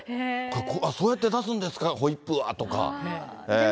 そうやって出すんですか、ホイップは、とか。